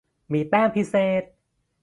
มีแต้มพิเศษ.